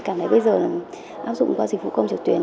cảm thấy bây giờ là áp dụng qua dịch vụ công trực tuyến